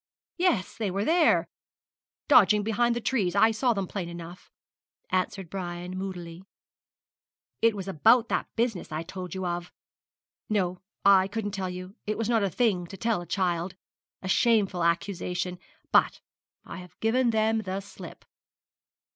'Yes, they were there, dodging behind the trees. I saw them plain enough,' answered Brian, moodily. 'It was about that business I told you of. No, I couldn't tell you; it was not a thing to tell a child a shameful accusation; but I have given them the slip.'